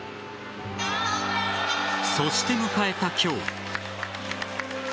そして迎えた今日。